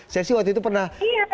saya sih waktu itu pernah